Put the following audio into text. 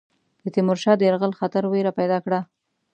د تیمور شاه د یرغل خطر وېره پیدا کړه.